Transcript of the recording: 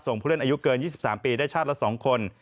ผู้เล่นอายุเกิน๒๓ปีได้ชาติละ๒คน